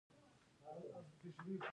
د زابل په دایچوپان کې د سرو زرو نښې شته.